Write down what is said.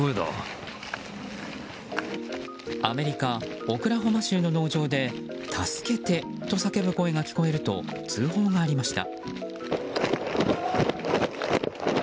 アメリカ・オクラホマ州の農場で助けて！と叫ぶ声が聞こえると通報がありました。